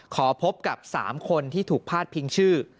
ขอพบกับ๓คนที่ถูกพาดพิงชื่อ